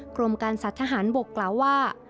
กรมการสัตว์ทหารบกกล่าวว่า